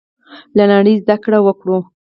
له نړۍ زده کړه وکړو.